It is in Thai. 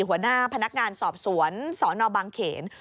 หัวหน้าพนักงานสอบสวนสนบางเขน